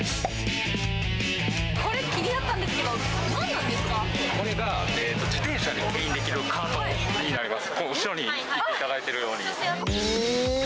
これ、気になったんですけど、何これが、自転車でもけん引できるカートになります。